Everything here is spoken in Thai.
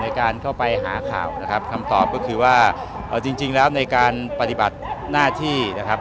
ในการเข้าไปหาข่าวนะครับคำตอบก็คือว่าเอาจริงจริงแล้วในการปฏิบัติหน้าที่นะครับ